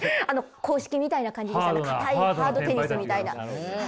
硬式みたいな感じでしたね硬いハードテニスみたいな。